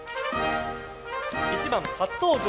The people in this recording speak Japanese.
１番、初登場